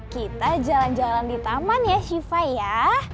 kita jalan jalan di taman ya shiva ya